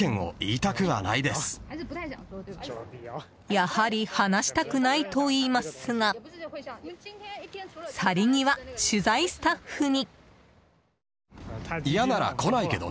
やはり話したくないといいますが去り際、取材スタッフに。